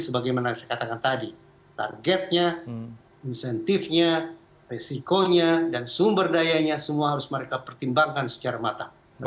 sebagaimana saya katakan tadi targetnya insentifnya resikonya dan sumber dayanya semua harus mereka pertimbangkan secara matang